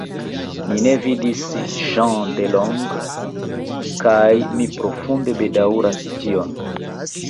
Mi ne vidis Jean delonge, kaj mi profunde bedaŭras tion.